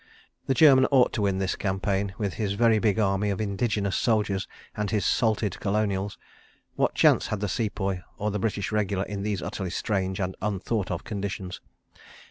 The German ought to win this campaign with his very big army of indigenous soldiers and his "salted" Colonials. What chance had the Sepoy or the British Regular in these utterly strange and unthought of conditions?